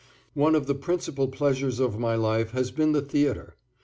One of the principal pleasures of my life has been the theatre.